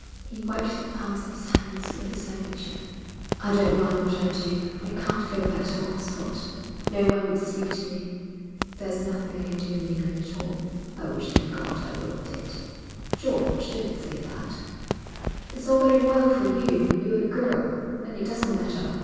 He wiped the palms of his hands with his handkerchief. 'I don't mind what I do. I can't go back to Oxford; no one would speak to me. There's nothing I can do in England at all. I wish to God I were dead.' 'George, don't say that.' 'It's all very well for you. You're a girl, and it doesn't matter.